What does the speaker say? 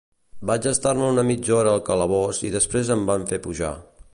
Vaig estar-me una mitja hora al calabós i després em van fer pujar.